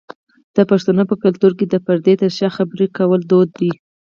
د پښتنو په کلتور کې د پردې تر شا خبری کول دود دی.